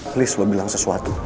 please lo bilang sesuatu